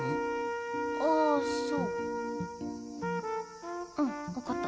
あそううんわかった。